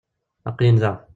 Aqel-in da.